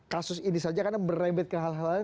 kasus ini saja karena merembet ke hal hal lain